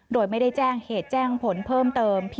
โดยไม่ได้แจ้งเหตุแจ้งผลเพิ่มเติม